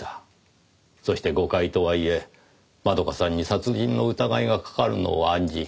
そして誤解とはいえ窓夏さんに殺人の疑いがかかるのを案じ